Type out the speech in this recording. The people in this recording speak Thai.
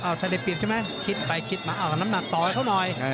ถ้าได้เปรียบใช่ไหมคิดไปคิดมาเอาน้ำหนักต่อให้เขาหน่อย